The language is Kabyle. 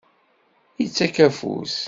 Ittak afus.